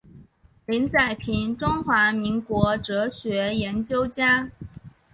林宰平中华民国哲学研究家。